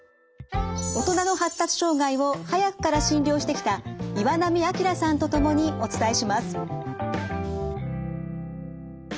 大人の発達障害を早くから診療してきた岩波明さんと共にお伝えします。